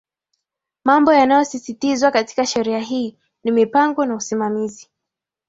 Mambo yanayosisitizwa katika Sheria hii ni mipango na usimamizi